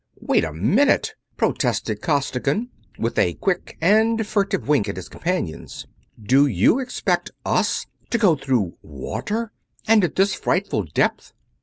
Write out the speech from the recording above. "Wait a minute!" protested Costigan, with a quick and furtive wink at his companions. "Do you expect us to go through water, and at this frightful depth?"